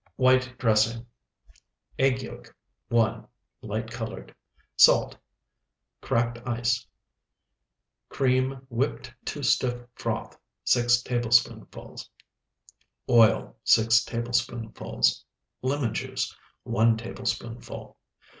WHITE DRESSING Egg yolk, 1, light colored. Salt. Cracked ice. Cream, whipped to stiff froth, 6 tablespoonfuls. Oil, 6 tablespoonfuls. Lemon juice, 1 tablespoonful.